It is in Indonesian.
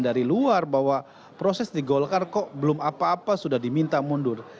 dari luar bahwa proses di golkar kok belum apa apa sudah diminta mundur